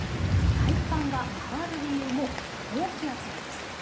体感が変わる理由も高気圧なんです。